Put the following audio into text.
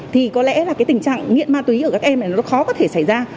thì có lẽ là cái tình trạng nghiện ma túy ở các em này nó khó có thể xảy ra